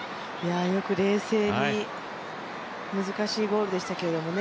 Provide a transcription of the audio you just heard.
よく冷静に、難しいゴールでしたけどね。